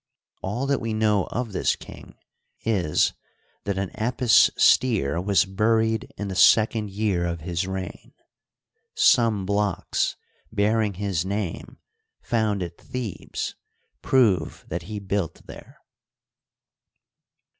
All that we know of this king is, that an Apis steer was buried in the second year of his reign. Some blocks, bearing his name, found at Thebes, prove that he built there.